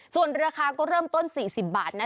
ส่วนราคาก็เริ่มต้น๔๐บาทนะ